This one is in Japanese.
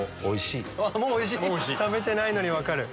食べてないのに分かる。